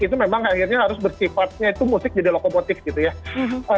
itu memang akhirnya harus bersifatnya itu musik jadi lokomotif gitu ya